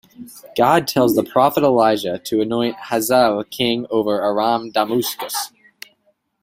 God tells the prophet Elijah to anoint Hazael king over Aram Damascus.